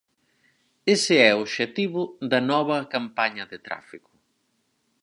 Ese é o obxectivo da nova campaña de tráfico.